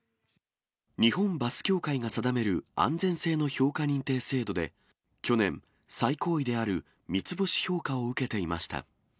日本バス協会が定める安全性の評価認定制度で、去年、最高位である三つ星評価を受けていました。